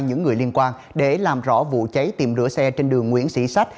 những người liên quan để làm rõ vụ cháy tiệm rửa xe trên đường nguyễn sĩ sách